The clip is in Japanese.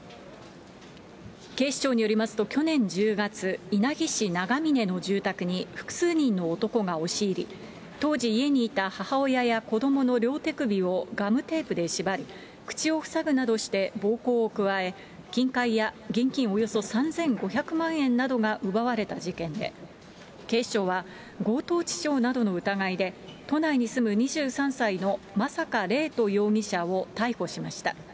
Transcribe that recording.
警視庁によりますと、去年１０月、稲城市長峰の住宅に、複数人の男が押し入り、当時家にいた母親や子どもの両手首をガムテープで縛り、口を塞ぐなどして暴行を加え、金塊や現金およそ３５００万円などが奪われた事件で、警視庁は、強盗致傷などの疑いで、都内に住む２３歳の真坂怜斗容疑者を逮捕しました。